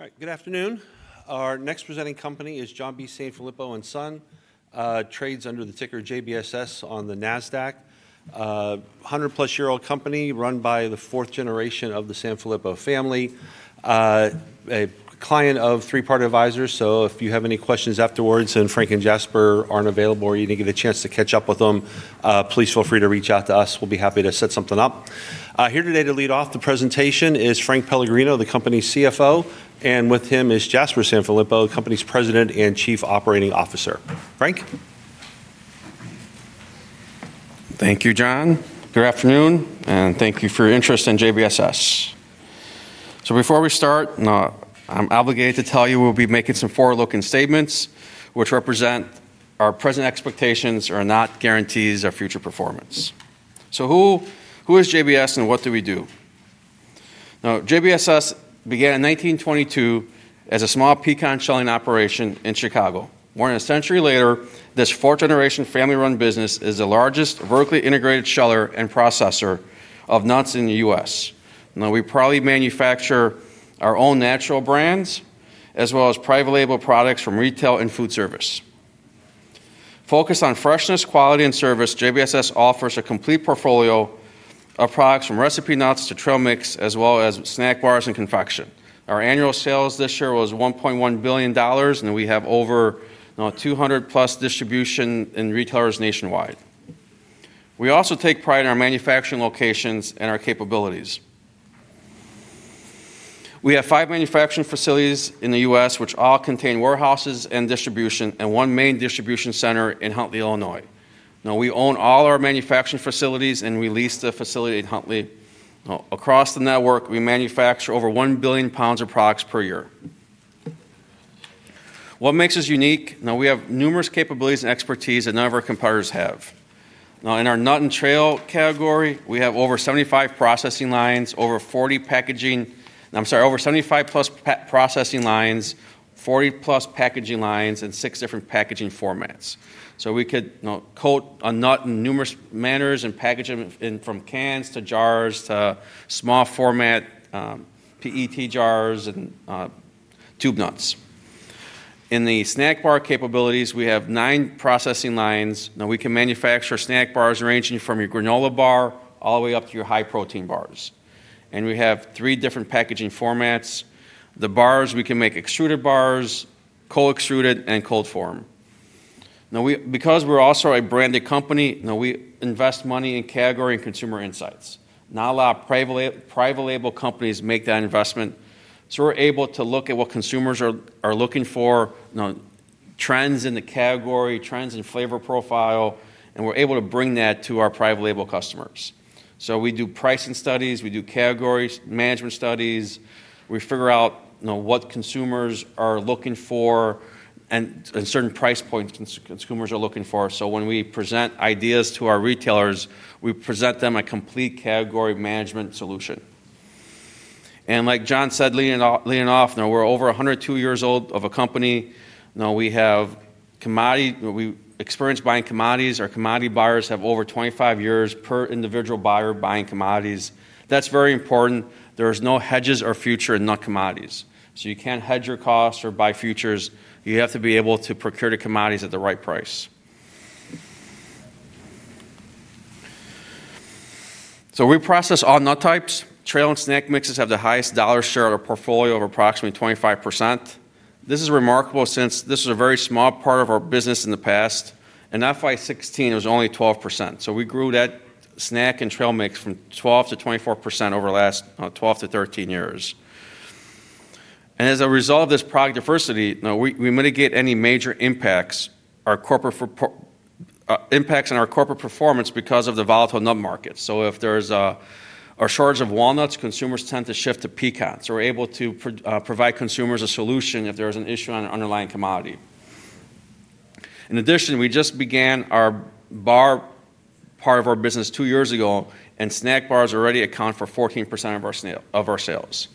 All right, good afternoon. Our next presenting company is John B. Sanfilippo & Son, trades under the ticker JBSS on the NASDAQ. 100+ year-old company run by the fourth generation of the Sanfilippo family. A client of Three Part Advisors, so if you have any questions afterwards and Frank and Jasper aren't available or you didn't get a chance to catch up with them, please feel free to reach out to us. We'll be happy to set something up. Here today to lead off the presentation is Frank Pellegrino, the company's CFO, and with him is Jasper Sanfilippo, the company's President and Chief Operating Officer. Frank? Thank you, John. Good afternoon, and thank you for your interest in JBSS. Before we start, I'm obligated to tell you we'll be making some forward-looking statements, which represent our present expectations and are not guarantees of future performance. Who is JBSS and what do we do? JBSS began in 1922 as a small pecan shelling operation in Chicago. More than a century later, this fourth-generation family-run business is the largest vertically integrated sheller and processor of nuts in the U.S. We proudly manufacture our own natural brands, as well as private label products for retail and food service. Focused on freshness, quality, and service, JBSS offers a complete portfolio of products from recipe nuts to trail mix, as well as snack bars and confection. Our annual sales this year were $1.1 billion, and we have over 200+ distribution and retailers nationwide. We also take pride in our manufacturing locations and our capabilities. We have five manufacturing facilities in the U.S., which all contain warehouses and distribution, and one main distribution center in Huntley, Illinois. We own all our manufacturing facilities and we lease the facility in Huntley. Across the network, we manufacture over 1 billion pounds of products per year. What makes us unique? We have numerous capabilities and expertise that none of our competitors have. In our nut and trail category, we have over 75 processing lines, 40+ packaging lines, and six different packaging formats. We can coat a nut in numerous manners and package it from cans to jars to small format PET jars and tube nuts. In the snack bar capabilities, we have nine processing lines. We can manufacture snack bars ranging from your granola bar all the way up to your high-protein bars, and we have three different packaging formats. The bars, we can make extruded bars, co-extruded, and cold form. Because we're also a branded company, we invest money in category and consumer insights. Not a lot of private label companies make that investment. We're able to look at what consumers are looking for, trends in the category, trends in flavor profile, and we're able to bring that to our private label customers. We do pricing studies, we do category management studies, we figure out what consumers are looking for and certain price points consumers are looking for. When we present ideas to our retailers, we present them a complete category management solution. Like John said, leaning off, we're over 102 years old of a company. Now, we have commodity, we experience buying commodities. Our commodity buyers have over 25 years per individual buyer buying commodities. That's very important. There are no hedges or futures in nut commodities. You can't hedge your costs or buy futures. You have to be able to procure the commodities at the right price. We process all nut types. Trail and snack mixes have the highest dollar share of our portfolio of approximately 25%. This is remarkable since this was a very small part of our business in the past. In FY16, it was only 12%. We grew that snack and trail mix from 12%-24% over the last 12-13 years. As a result of this product diversity, we mitigate any major impacts in our corporate performance because of the volatile nut market. If there's a shortage of walnuts, consumers tend to shift to pecans. We're able to provide consumers a solution if there's an issue on an underlying commodity. In addition, we just began our bar part of our business two years ago, and snack bars already account for 14% of our sales.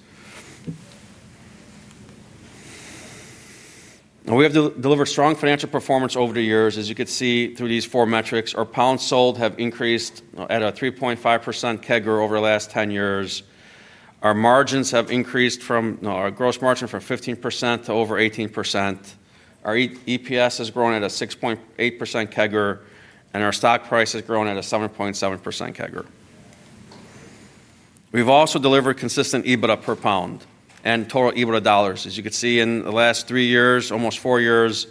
We have delivered strong financial performance over the years, as you could see through these four metrics. Our pounds sold have increased at a 3.5% CAGR over the last 10 years. Our margins have increased from our gross margin from 15%-18%. Our EPS has grown at a 6.8% CAGR, and our stock price has grown at a 7.7% CAGR. We've also delivered consistent EBITDA per pound and total EBITDA dollars. As you could see in the last three years, almost four years,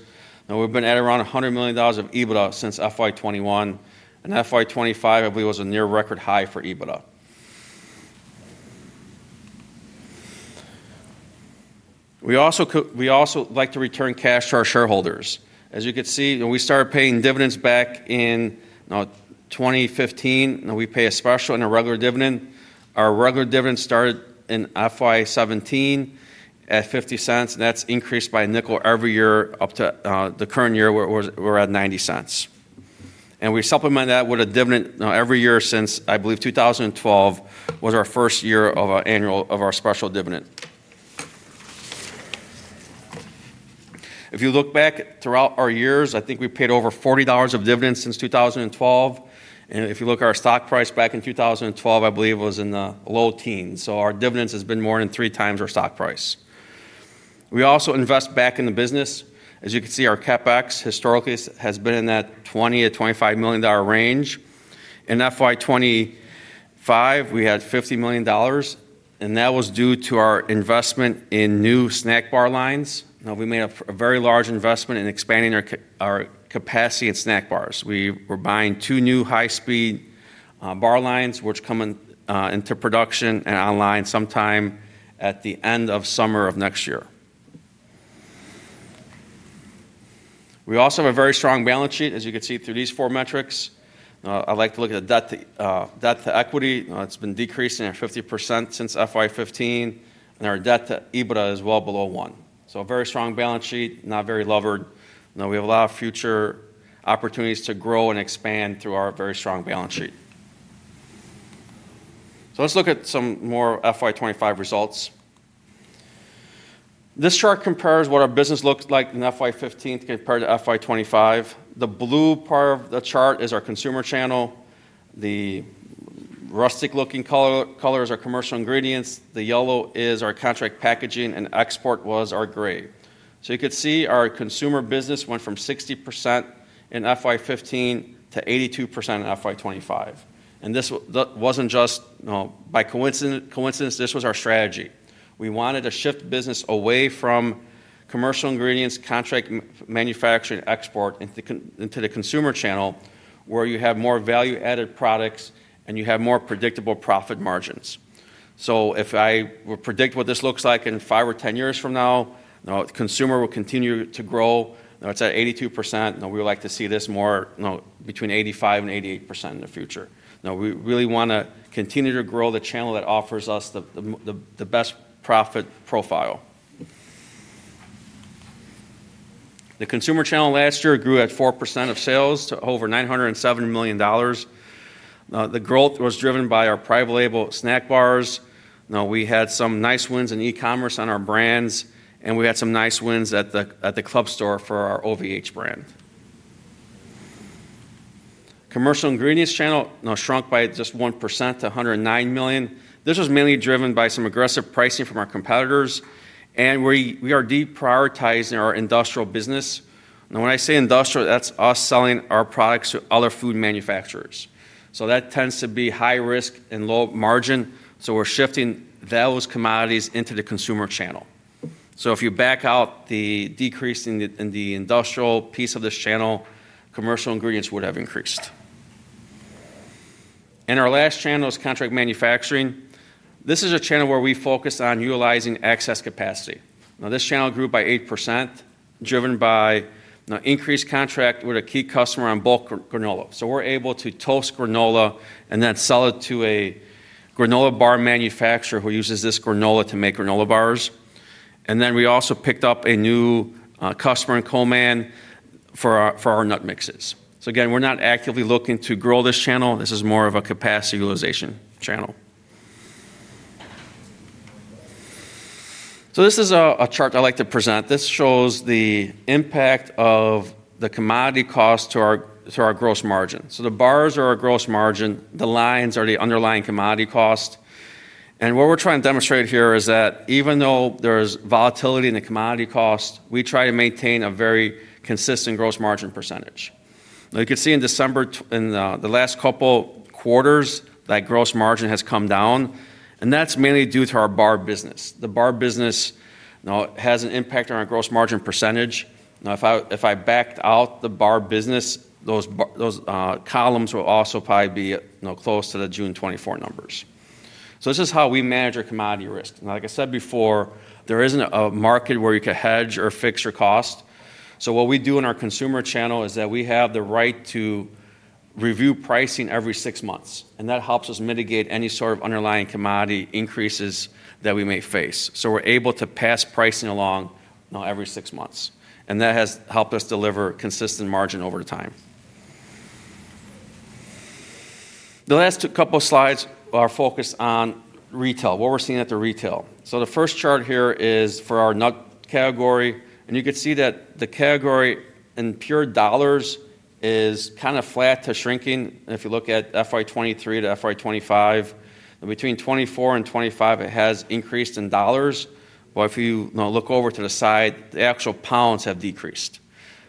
we've been at around $100 million of EBITDA since FY 2021, and FY 2025, I believe, was a near record high for EBITDA. We also like to return cash to our shareholders. As you could see, we started paying dividends back in 2015. Now, we pay a special and a regular dividend. Our regular dividend started in FY 2017 at $0.50, and that's increased by a nickel every year up to the current year where we're at $0.90. We supplement that with a dividend every year since, I believe, 2012 was our first year of our annual special dividend. If you look back throughout our years, I think we've paid over $40 of dividends since 2012. If you look at our stock price back in 2012, I believe it was in the low teens. Our dividends have been more than 3x our stock price. We also invest back in the business. As you can see, our CapEx historically has been in that $20 million-$25 million range. In FY 2025, we had $50 million, and that was due to our investment in new snack bar lines. Now, we made a very large investment in expanding our capacity at snack bars. We were buying two new high-speed bar lines, which come into production and online sometime at the end of summer of next year. We also have a very strong balance sheet, as you could see through these four metrics. I like to look at the debt to equity. It's been decreasing at 50% since FY 2015, and our debt to EBITDA is well below one. A very strong balance sheet, not very levered. We have a lot of future opportunities to grow and expand through our very strong balance sheet. Let's look at some more FY 2025 results. This chart compares what our business looks like in FY 2015 compared to FY 2025. The blue part of the chart is our consumer channel. The rustic-looking color is our commercial ingredients. The yellow is our contract packaging, and export was our gray. You could see our consumer business went from 60% in FY 2015 to 82% in FY 2025. This wasn't just by coincidence. This was our strategy. We wanted to shift business away from commercial ingredients, contract manufacturing, and export into the consumer channel, where you have more value-added products and you have more predictable profit margins. If I were to predict what this looks like in five or ten years from now, the consumer will continue to grow. It's at 82% now. We would like to see this more between 85% and 88% in the future. We really want to continue to grow the channel that offers us the best profit profile. The consumer channel last year grew at 4% of sales to over $907 million. The growth was driven by our private label snack bars. We had some nice wins in e-commerce on our brands, and we had some nice wins at the club store for our OVH brand. The commercial ingredients channel shrunk by just 1% to $109 million. This was mainly driven by some aggressive pricing from our competitors, and we are deprioritizing our industrial business. When I say industrial, that's us selling our products to other food manufacturers. That tends to be high risk and low margin. We're shifting those commodities into the consumer channel. If you back out the decrease in the industrial piece of this channel, commercial ingredients would have increased. Our last channel is contract manufacturing. This is a channel where we focus on utilizing excess capacity. This channel grew by 8%, driven by an increased contract with a key customer on bulk granola. We're able to toast granola and then sell it to a granola bar manufacturer who uses this granola to make granola bars. We also picked up a new customer in Coleman for our nut mixes. We're not actively looking to grow this channel. This is more of a capacity utilization channel. This is a chart I like to present. This shows the impact of the commodity cost to our gross margin. The bars are our gross margin. The lines are the underlying commodity cost. What we're trying to demonstrate here is that even though there's volatility in the commodity cost, we try to maintain a very consistent gross margin percentage. You can see in December, in the last couple quarters, that gross margin has come down, and that's mainly due to our bar business. The bar business has an impact on our gross margin percentage. If I backed out the bar business, those columns will also probably be close to the June 2024 numbers. This is how we manage our commodity risk. Like I said before, there isn't a market where you could hedge or fix your cost. What we do in our consumer channel is that we have the right to review pricing every six months, and that helps us mitigate any sort of underlying commodity increases that we may face. We're able to pass pricing along every six months, and that has helped us deliver consistent margin over time. The last couple of slides are focused on retail, what we're seeing at the retail. The first chart here is for our nut category, and you could see that the category in pure dollars is kind of flat to shrinking. If you look at FY 2023 to FY 2025, between 2024 and 2025, it has increased in dollars. If you look over to the side, the actual pounds have decreased.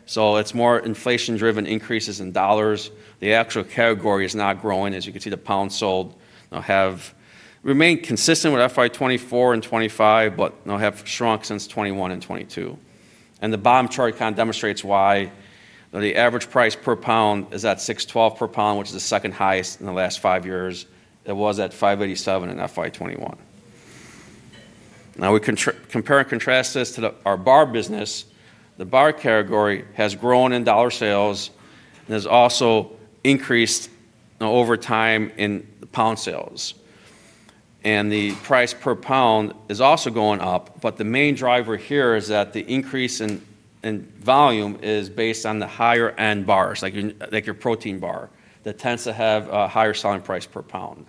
It's more inflation-driven increases in dollars. The actual category is not growing. As you can see, the pounds sold have remained consistent with FY 2024 and 2025, but have shrunk since 2021 and 2022. The bottom chart kind of demonstrates why the average price per pound is at $6.12 per pound, which is the second highest in the last five years. It was at $5.87 in FY 2021. We compare and contrast this to our bar business. The bar category has grown in dollar sales and has also increased over time in the pound sales. The price per pound is also going up, but the main driver here is that the increase in volume is based on the higher-end bars, like your protein bar that tends to have a higher selling price per pound.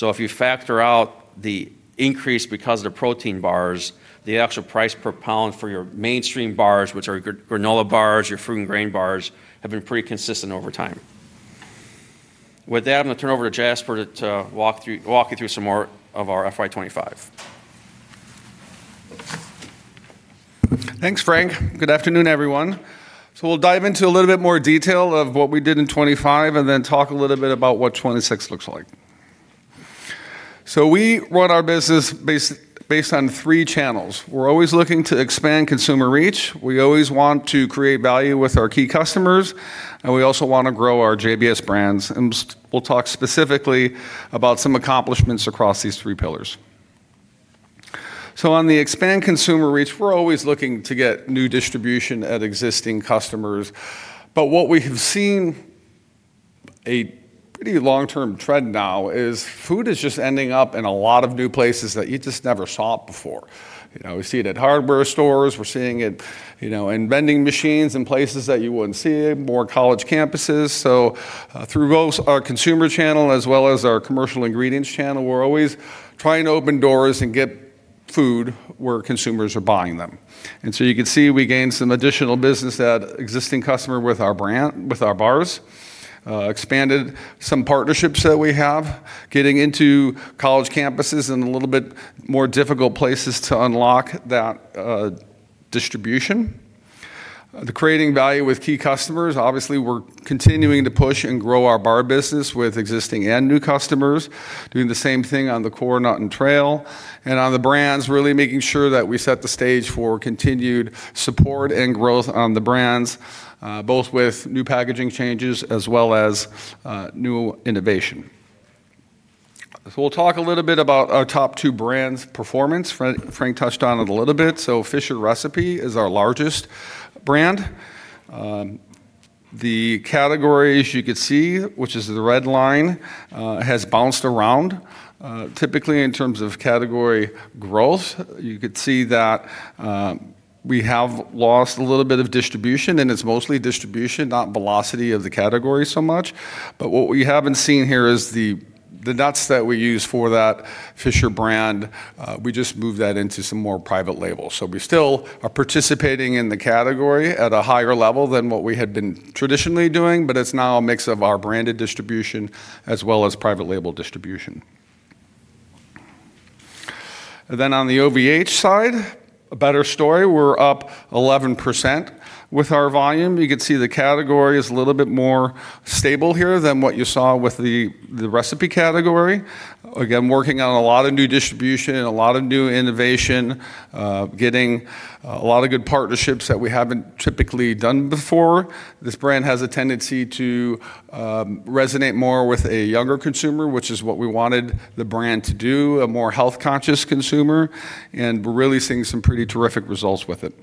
If you factor out the increase because of the protein bars, the actual price per pound for your mainstream bars, which are granola bars, your fruit and grain bars, have been pretty consistent over time. With that, I'm going to turn over to Jasper to walk you through some more of our FY 2025. Thanks, Frank. Good afternoon, everyone. We'll dive into a little bit more detail of what we did in 2025 and then talk a little bit about what 2026 looks like. We run our business based on three channels. We're always looking to expand consumer reach. We always want to create value with our key customers, and we also want to grow our JBSS brands. We'll talk specifically about some accomplishments across these three pillars. On the expand consumer reach, we're always looking to get new distribution at existing customers. What we have seen, a pretty long-term trend now, is food is just ending up in a lot of new places that you just never saw it before. We see it at hardware stores. We're seeing it in vending machines and places that you wouldn't see it, more college campuses. Through both our consumer channel as well as our commercial ingredients channel, we're always trying to open doors and get food where consumers are buying them. You can see we gained some additional business at existing customers with our bars, expanded some partnerships that we have, getting into college campuses and a little bit more difficult places to unlock that distribution. The creating value with key customers, obviously, we're continuing to push and grow our bar business with existing and new customers, doing the same thing on the core nut and trail and on the brands, really making sure that we set the stage for continued support and growth on the brands, both with new packaging changes as well as new innovation. We'll talk a little bit about our top two brands' performance. Frank touched on it a little bit. Fisher Recipe is our largest brand. The categories you could see, which is the red line, have bounced around. Typically, in terms of category growth, you could see that we have lost a little bit of distribution, and it's mostly distribution, not velocity of the category so much. What we haven't seen here is the nuts that we use for that Fisher brand. We just moved that into some more private labels. We still are participating in the category at a higher level than what we had been traditionally doing, but it's now a mix of our branded distribution as well as private label distribution. On the OVH side, a better story. We're up 11% with our volume. You could see the category is a little bit more stable here than what you saw with the recipe category. Again, working on a lot of new distribution, a lot of new innovation, getting a lot of good partnerships that we haven't typically done before. This brand has a tendency to resonate more with a younger consumer, which is what we wanted the brand to do, a more health-conscious consumer. We're really seeing some pretty terrific results with it.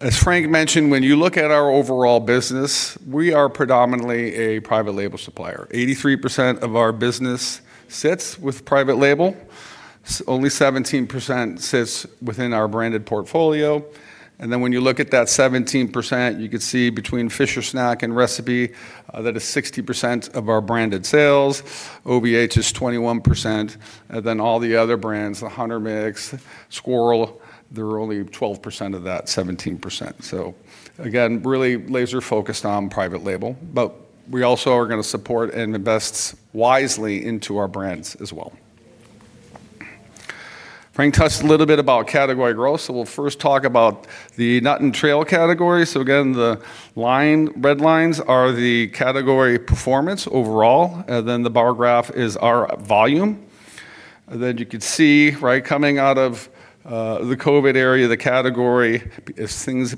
As Frank mentioned, when you look at our overall business, we are predominantly a private label supplier. 83% of our business sits with private label. Only 17% sits within our branded portfolio. When you look at that 17%, you could see between Fisher Snack and Recipe that is 60% of our branded sales. OVH is 21%. All the other brands, the Hunter Mix, Squirrel, they're only 12% of that 17%. Again, really laser-focused on private label. We also are going to support and invest wisely into our brands as well. Frank touched a little bit about category growth. We'll first talk about the nut and trail category. The red lines are the category performance overall, and the bar graph is our volume. You could see, right, coming out of the COVID area, the category, as things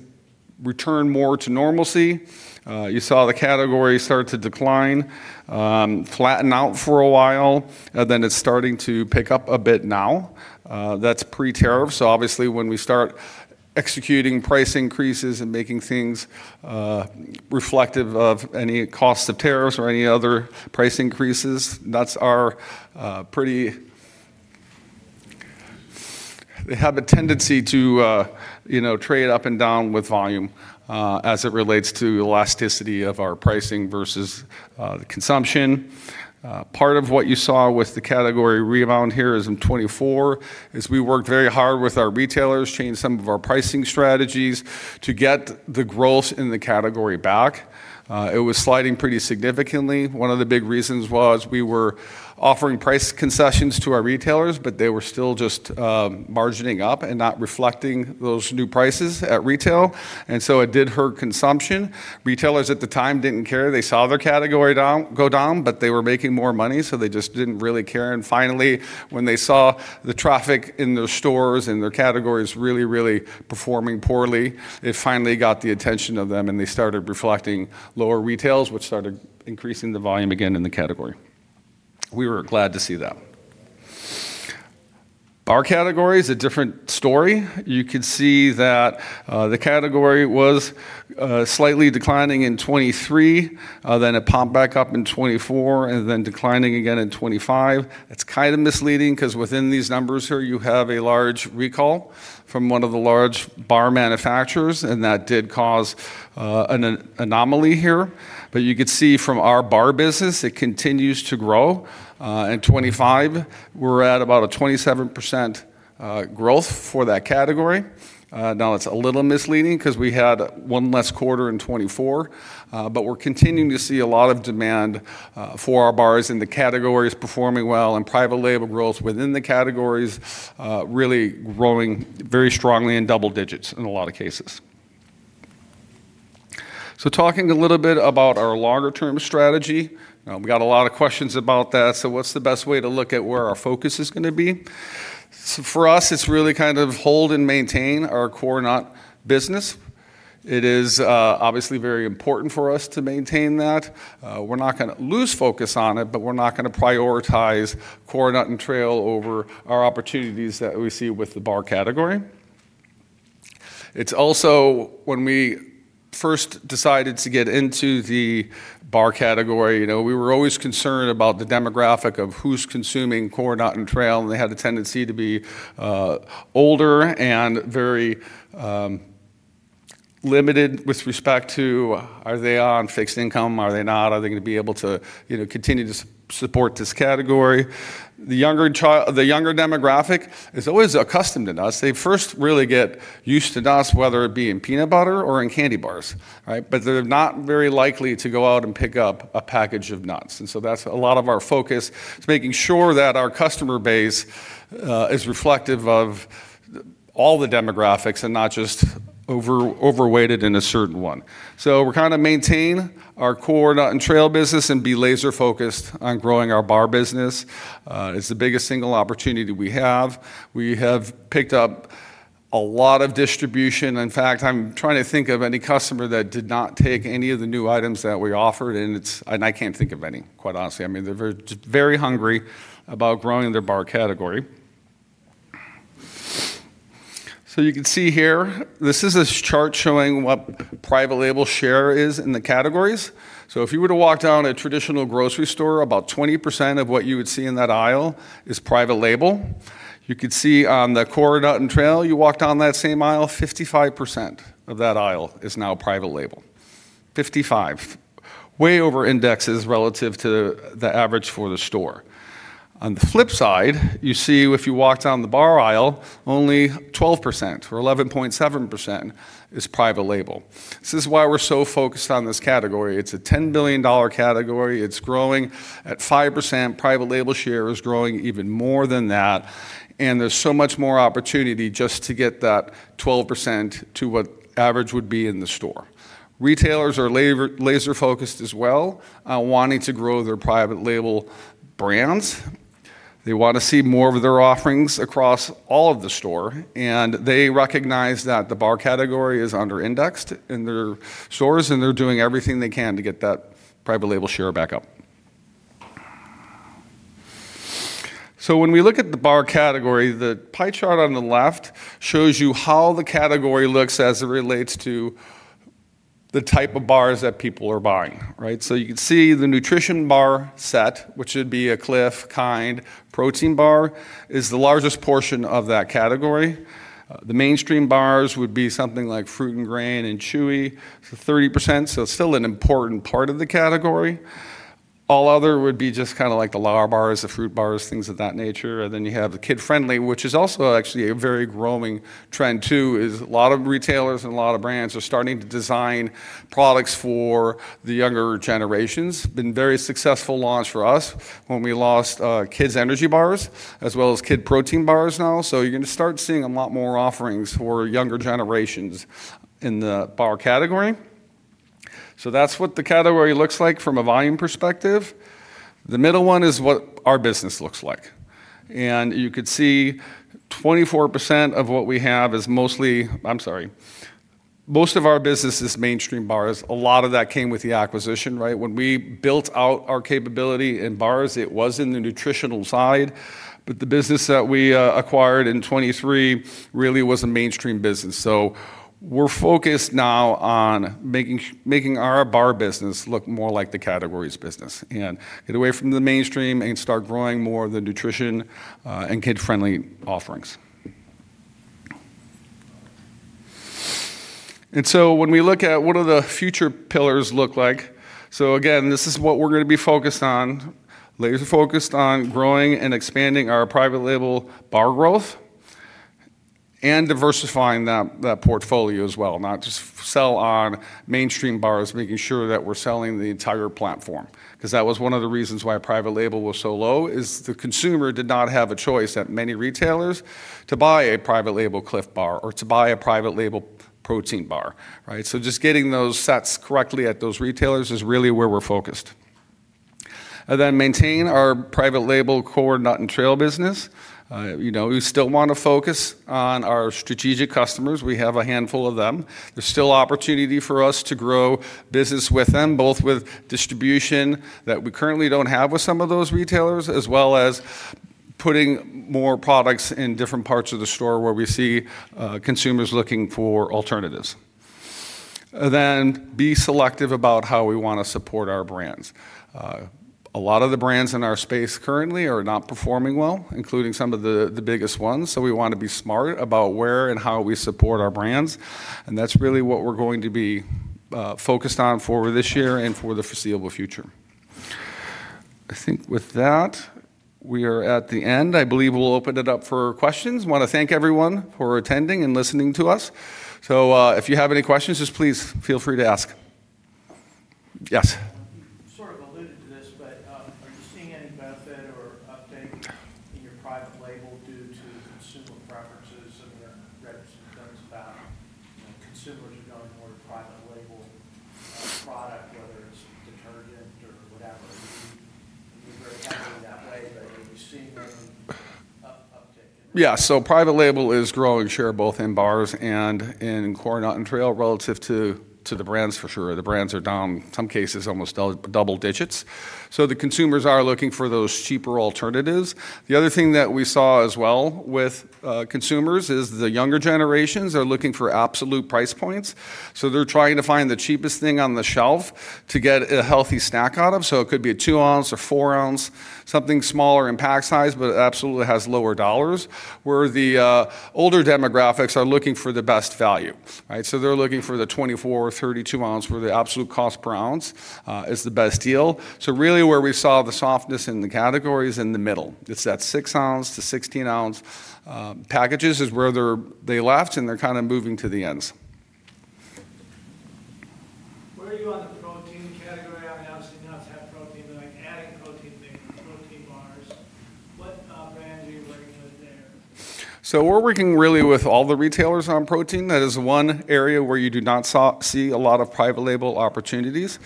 return more to normalcy, you saw the category start to decline, flatten out for a while, and then it's starting to pick up a bit now. That's pre-tariff. Obviously, when we start executing price increases and making things reflective of any cost of tariffs or any other price increases, nuts are pretty... They have a tendency to trade up and down with volume as it relates to the elasticity of our pricing versus the consumption. Part of what you saw with the category rebound here in 2024 is we worked very hard with our retailers, changed some of our pricing strategies to get the growth in the category back. It was sliding pretty significantly. One of the big reasons was we were offering price concessions to our retailers, but they were still just margining up and not reflecting those new prices at retail. It did hurt consumption. Retailers at the time didn't care. They saw their category go down, but they were making more money, so they just didn't really care. Finally, when they saw the traffic in their stores and their categories really, really performing poorly, it finally got the attention of them and they started reflecting lower retails, which started increasing the volume again in the category. We were glad to see that. Bar category is a different story. You could see that the category was slightly declining in 2023, then it popped back up in 2024, and then declining again in 2025. It's kind of misleading because within these numbers here, you have a large recall from one of the large bar manufacturers, and that did cause an anomaly here. You could see from our bar business, it continues to grow. In 2025, we're at about a 27% growth for that category. Now, it's a little misleading because we had one less quarter in 2024, but we're continuing to see a lot of demand for our bars and the category is performing well and private label growth within the category is really growing very strongly in double digits in a lot of cases. Talking a little bit about our longer-term strategy, we got a lot of questions about that. What's the best way to look at where our focus is going to be? For us, it's really kind of hold and maintain our core nut business. It is obviously very important for us to maintain that. We're not going to lose focus on it, but we're not going to prioritize core nut and trail over our opportunities that we see with the bar category. When we first decided to get into the bar category, we were always concerned about the demographic of who's consuming core nut and trail, and they had a tendency to be older and very limited with respect to are they on fixed income, are they not, are they going to be able to continue to support this category. The younger demographic is always accustomed to nuts. They first really get used to nuts, whether it be in peanut butter or in candy bars, right? They're not very likely to go out and pick up a package of nuts. That's a lot of our focus. It's making sure that our customer base is reflective of all the demographics and not just overweighted in a certain one. We're trying to maintain our core nut and trail business and be laser-focused on growing our bar business. It's the biggest single opportunity we have. We have picked up a lot of distribution. In fact, I'm trying to think of any customer that did not take any of the new items that we offered, and I can't think of any, quite honestly. I mean, they're very hungry about growing their bar category. You can see here, this is a chart showing what private label share is in the category. If you were to walk down a traditional grocery store, about 20% of what you would see in that aisle is private label. You could see on the core nut and trail, you walked down that same aisle, 55% of that aisle is now private label. 55. Way over indexes relative to the average for the store. On the flip side, you see if you walk down the bar aisle, only 12% or 11.7% is private label. This is why we're so focused on this category. It's a $10 billion category. It's growing at 5%. Private label share is growing even more than that. There is so much more opportunity just to get that 12% to what average would be in the store. Retailers are laser-focused as well, wanting to grow their private label brands. They want to see more of their offerings across all of the store. They recognize that the bar category is under-indexed in their stores, and they're doing everything they can to get that private label share back up. When we look at the bar category, the pie chart on the left shows you how the category looks as it relates to the type of bars that people are buying, right? You can see the nutrition bar set, which would be a Clif, Kind, protein bar, is the largest portion of that category. The mainstream bars would be something like fruit and grain and chewy, so 30%. Still an important part of the category. All other would be just kind of like the lower bars, the fruit bars, things of that nature. Then you have the kid-friendly, which is also actually a very growing trend too, as a lot of retailers and a lot of brands are starting to design products for the younger generations. It's been a very successful launch for us when we launched kids' energy bars as well as kid protein bars now. You're going to start seeing a lot more offerings for younger generations in the bar category. That's what the category looks like from a volume perspective. The middle one is what our business looks like. You could see 24% of what we have is mostly, I'm sorry, most of our business is mainstream bars. A lot of that came with the acquisition, right? When we built out our capability in bars, it was in the nutritional side. The business that we acquired in 2023 really was a mainstream business. We're focused now on making our bar business look more like the category's business and get away from the mainstream and start growing more of the nutrition and kid-friendly offerings. When we look at what do the future pillars look like? Again, this is what we're going to be focused on, laser-focused on growing and expanding our private label bar growth and diversifying that portfolio as well, not just sell on mainstream bars, making sure that we're selling the entire platform. That was one of the reasons why private label was so low: the consumer did not have a choice at many retailers to buy a private label Clif Bar or to buy a private label protein bar, right? Just getting those sets correctly at those retailers is really where we're focused. Maintain our private label core nut and trail business. We still want to focus on our strategic customers. We have a handful of them. There's still opportunity for us to grow business with them, both with distribution that we currently don't have with some of those retailers, as well as putting more products in different parts of the store where we see consumers looking for alternatives. Be selective about how we want to support our brands. A lot of the brands in our space currently are not performing well, including some of the biggest ones. We want to be smart about where and how we support our brands. That's really what we're going to be focused on for this year and for the foreseeable future. I think with that, we are at the end. I believe we'll open it up for questions. I want to thank everyone for attending and listening to us. If you have any questions, just please feel free to ask. Yes. Are you seeing to the brands for sure. The brands are down, in some cases, almost double digits. Consumers are looking for those cheaper alternatives. The other thing that we saw as well with consumers is the younger generations are looking for absolute price points. They're trying to find the cheapest thing on the shelf to get a healthy snack out of. It could be a two-ounce or four-ounce, something smaller in pack size, but it absolutely has lower dollars, where the older demographics are looking for the best value. They're looking for the 24 or 32 oz where the absolute cost per ounce is the best deal. Really where we saw the softness in the category is in the middle. It's that six-ounce to 16 oz packages is where they left and they're kind of moving to the ends. What are you on the protein category? I obviously know it's half protein, but I'm adding protein bars. We are working really with all the retailers on protein. That is one area where you do not see a lot of private label opportunities.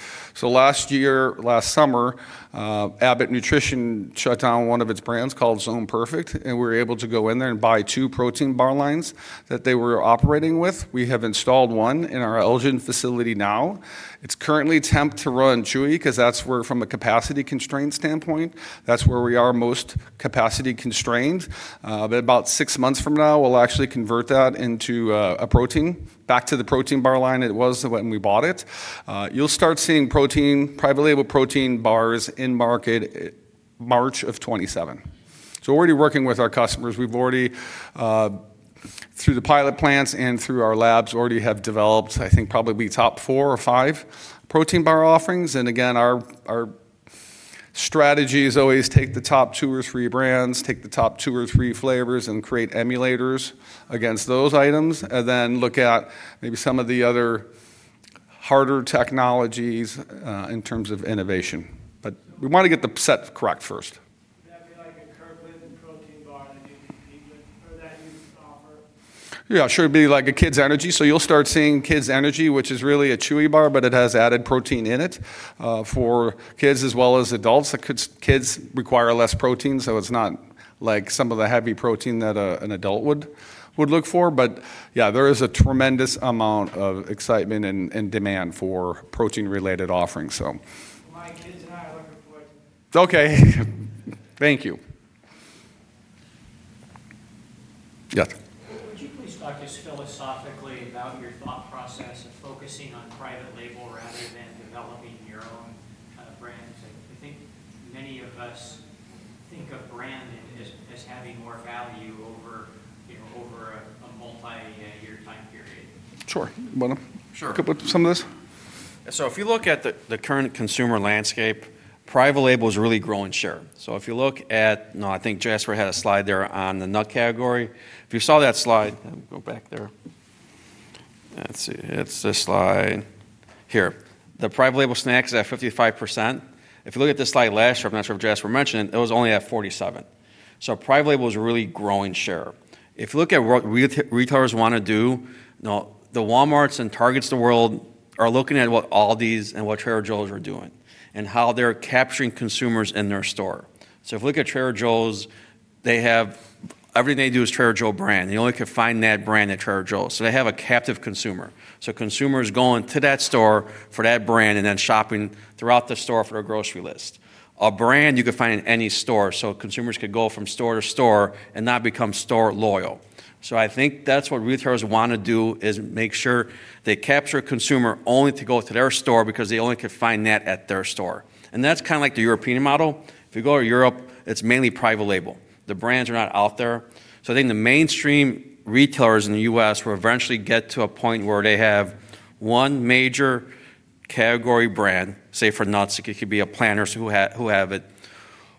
Last year, last summer, Abbott Nutrition shut down one of its brands called Zone Perfect, and we were able to go in there and buy two protein bar lines that they were operating with. We have installed one in our Elgin facility now. It is currently temped to run chewy because from a capacity constraint standpoint, that is where we are most capacity constrained. About six months from now, we will actually convert that into a protein, back to the protein bar line it was when we bought it. You will start seeing private label protein bars in market March of 2027. We are already working with our customers. We have already, through the pilot plants and through our labs, developed, I think probably top four or five protein bar offerings. Our strategy is always take the top two or three brands, take the top two or three flavors, and create emulators against those items, and then look at maybe some of the other harder technologies in terms of innovation. We want to get the set correct first. I feel like a carb and protein bar that you can eat with or that you can offer. Yeah, it should be like a kid's energy. You'll start seeing kid's energy, which is really a chewy bar, but it has added protein in it for kids as well as adults. Kids require less protein, so it's not like some of the heavy protein that an adult would look for. There is a tremendous amount of excitement and demand for protein-related offerings. Okay, thank you. Yeah. Would you please talk just philosophically about your thought process of focusing on private label rather than developing your own kind of brands? I think many of us think of branding as having more value over, you know, over a multi-year time period. Sure. Want to pick up with some of this? If you look at the current consumer landscape, private label is really growing share. I think Jasper had a slide there on the nut category. If you saw that slide, go back there. Let's see, it's this slide here. The private label snacks is at 55%. If you look at the slide last year, I'm not sure if Jasper mentioned it, it was only at 47%. Private label is really growing share. If you look at what retailers want to do, the Walmart's and Targets of the world are looking at what ALDI and what Trader Joe's are doing and how they're capturing consumers in their store. If you look at Trader Joe's, everything they do is Trader Joe's brand. You only could find that brand at Trader Joe's. They have a captive consumer. Consumers go into that store for that brand and then shopping throughout the store for their grocery list. A brand you could find in any store. Consumers could go from store to store and not become store loyal. I think that's what retailers want to do, make sure they capture a consumer only to go to their store because they only could find that at their store. That's kind of like the European model. If you go to Europe, it's mainly private label. The brands are not out there. I think the mainstream retailers in the U.S. will eventually get to a point where they have one major category brand, say for nuts, it could be a Planters who have it,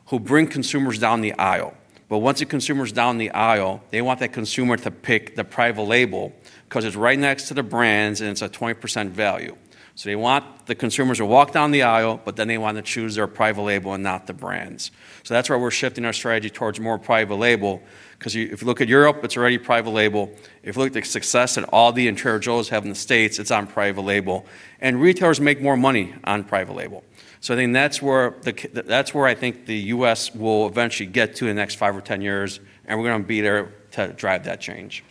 who bring consumers down the aisle. Once the consumer's down the aisle, they want that consumer to pick the private label because it's right next to the brands and it's a 20% value. They want the consumers to walk down the aisle, but then they want to choose their private label and not the brands. That's where we're shifting our strategy towards more private label. If you look at Europe, it's already private label. If you look at the success that ALDI and Trader Joe's have in the States, it's on private label. Retailers make more money on private label. I think that's where I think the U.S. will eventually get to in the next five or ten years, and we're going to be there to drive that change.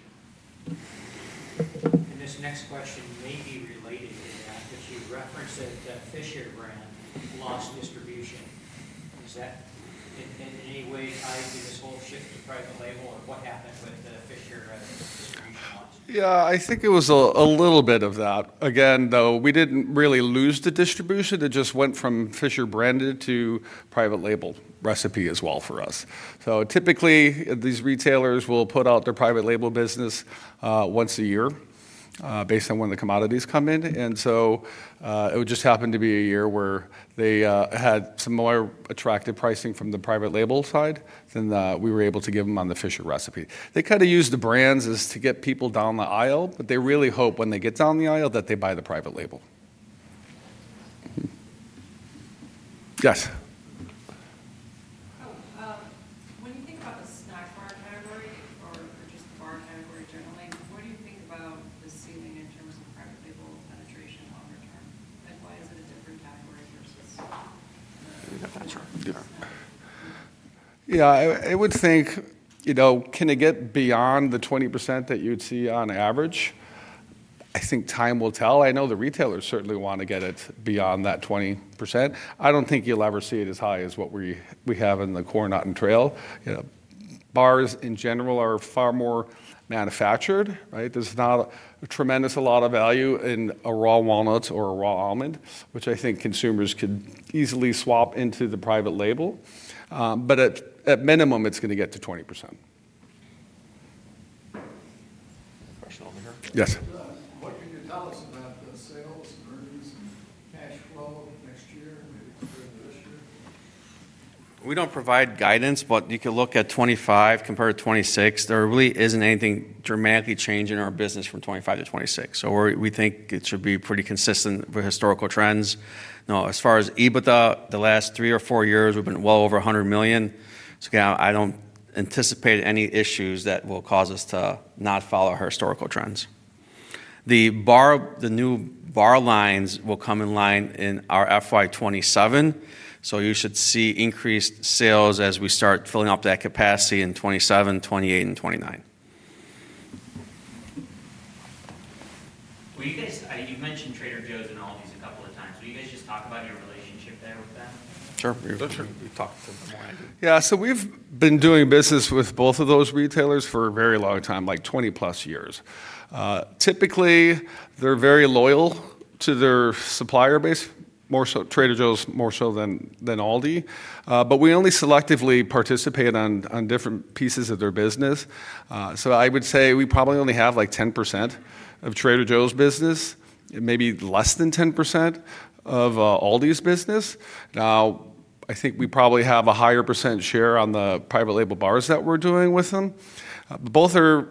Reference to the Fisher brand lost distribution. Is that in any way tied to this whole shift to private label and what happened with the Fisher? Yeah, I think it was a little bit of that. Again, though, we didn't really lose the distribution. It just went from Fisher branded to private label. Recipe as well for us. Typically, these retailers will put out their private label business once a year based on when the commodities come in. It just happened to be a year where they had some more attractive pricing from the private label side than we were able to give them on the Fisher recipe. They kind of use the brands to get people down the aisle, but they really hope when they get down the aisle that they buy the private label. Yes. When you think about the snack bar category or just the bar category generally, what do you think about the ceiling in terms of private label penetration longer term? Why is it a different category versus? Yeah, I would think, you know, can it get beyond the 20% that you'd see on average? I think time will tell. I know the retailers certainly want to get it beyond that 20%. I don't think you'll ever see it as high as what we have in the core nut and trail. You know, bars in general are far more manufactured. There's not a tremendous amount of value in a raw walnut or a raw almond, which I think consumers could easily swap into the private label. At minimum, it's going to get to 20%. Yes. What can you tell us about the sales versus cash flow? We don't provide guidance, but you can look at 2025 compared to 2026. There really isn't anything dramatically changing in our business from 2025-2026. We think it should be pretty consistent with historical trends. Now, as far as EBITDA, the last three or four years, we've been well over $100 million. I don't anticipate any issues that will cause us to not follow our historical trends. The new bar lines will come in line in our FY 2027. You should see increased sales as we start filling up that capacity in 2027, 2028, and 2029. Were you guys, you mentioned Trader Joe’s and ALDI? Just talk about your relationship there with them. Sure. You talked to them more. Yeah, so we've been doing business with both of those retailers for a very long time, like 20+ years. Typically, they're very loyal to their supplier base, more so Trader Joe's, more so than ALDI. We only selectively participate on different pieces of their business. I would say we probably only have like 10% of Trader Joe's business and maybe less than 10% of ALDI's business. I think we probably have a higher percent share on the private label bars that we're doing with them. Both are,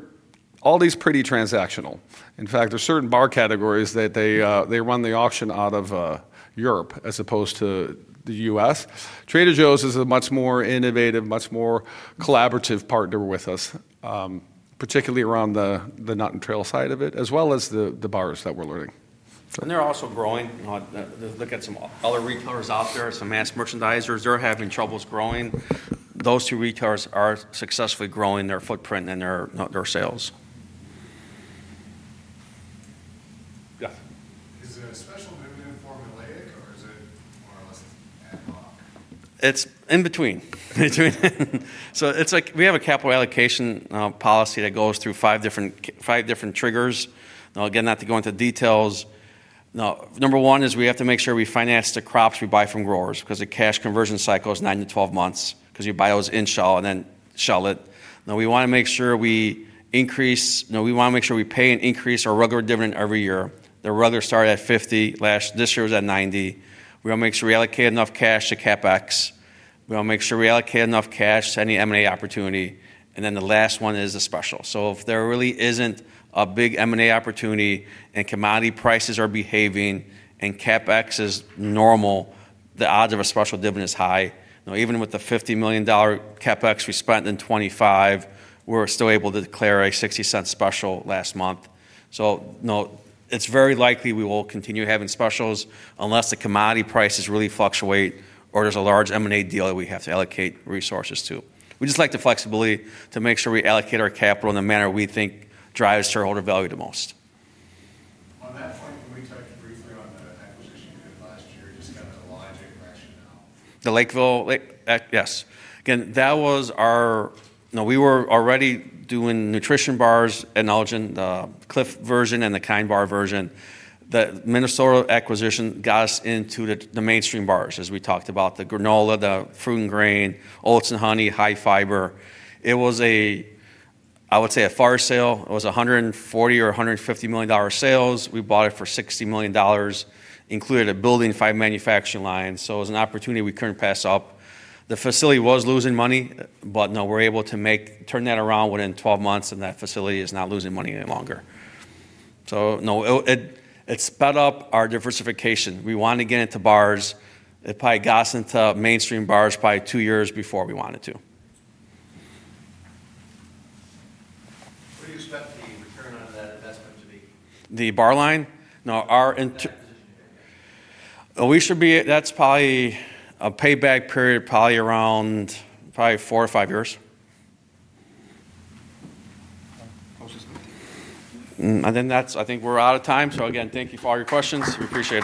ALDI's pretty transactional. In fact, there are certain bar categories that they run the auction out of Europe as opposed to the U.S. Trader Joe's is a much more innovative, much more collaborative partner with us, particularly around the nut and trail side of it, as well as the bars that we're learning. They are also growing. Look at some other retailers out there, some mass merchandisers. They're having troubles growing. Those two retailers are successfully growing their footprint and their sales. Yes. Is it a special dividend formulated, or is it more or less an ad hoc? It's in between. We have a capital allocation policy that goes through five different triggers. Again, not to go into details. Number one is we have to make sure we finance the crops we buy from growers because the cash conversion cycle is nine to twelve months because you buy those in shell and then shell it. We want to make sure we pay an increase or regular dividend every year. Their regular started at $0.50. This year was at $0.90. We want to make sure we allocate enough cash to CapEx. We want to make sure we allocate enough cash to any M&A opportunity. The last one is the special. If there really isn't a big M&A opportunity and commodity prices are behaving and CapEx is normal, the odds of a special dividend is high. Even with the $50 million CapEx we spent in 2025, we were still able to declare a $0.60 special last month. It is very likely we will continue having specials unless the commodity prices really fluctuate or there's a large M&A deal that we have to allocate resources to. We just like the flexibility to make sure we allocate our capital in the manner we think drives shareholder value the most. On that point, we reached out to breakthrough on another acquisition here last year. Just to kind of know why I take it back to you now. The Lakeville? Yes. That was our, you know, we were already doing nutrition bars in Elgin, the Clif version and the Kind bar version. The Minnesota acquisition got us into the mainstream bars, as we talked about, the granola, the fruit and grain, oats and honey, high fiber. It was, I would say, a fire sale. It was $140 or $150 million sales. We bought it for $60 million, included a building, five manufacturing lines. It was an opportunity we couldn't pass up. The facility was losing money, but we're able to turn that around within 12 months and that facility is not losing money any longer. It sped up our diversification. We wanted to get into bars. It probably got us into mainstream bars probably two years before we wanted to. What do you expect the return? The bar line? No, we should be, that's probably a payback period probably around four or five years. Closest month. I think we're out of time. Thank you for all your questions. We appreciate it.